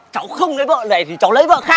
cháu không lấy vợ này thì cháu lấy vợ khai